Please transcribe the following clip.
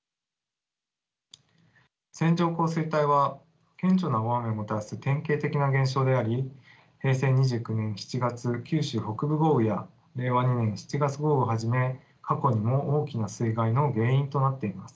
線状降水帯は顕著な大雨をもたらす典型的な現象であり平成２９年７月九州北部豪雨や令和２年７月豪雨をはじめ過去にも大きな水害の原因となっています。